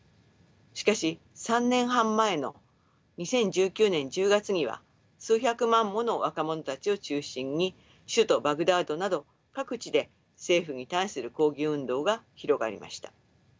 しかし３年半前の２０１９年１０月には数百万もの若者たちを中心に首都バグダッドなど各地で政府に対する抗議運動が広がりました。